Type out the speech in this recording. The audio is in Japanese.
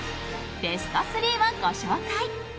ベスト３をご紹介。